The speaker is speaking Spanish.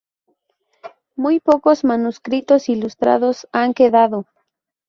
Muy pocos manuscritos ilustrados han quedado.